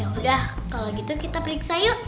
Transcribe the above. udah kalau gitu kita periksa yuk